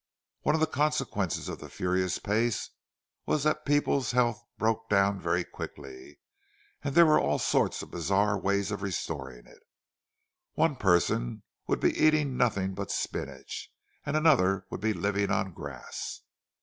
One of the consequences of the furious pace was that people's health broke down very quickly; and there were all sorts of bizarre ways of restoring it. One person would be eating nothing but spinach, and another would be living on grass.